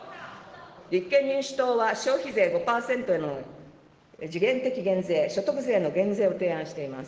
立憲民主党は消費税５％への時限的減税、所得税の減税を提案しています。